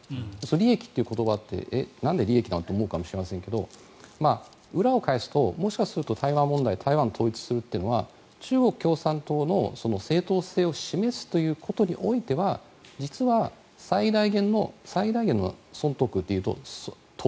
利益という言葉ってなんで利益なのって思うかもしれませんが裏を返すと、もしかすると台湾問題台湾を統一するというのは中国共産党の正統性を示すということにおいては実は最大限の損得でいうと得。